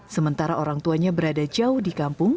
sementara orang tuanya berada jauh di kampung